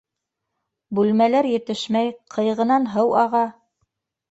Бүлмәләр етешмәй, ҡыйығынан һыу аға...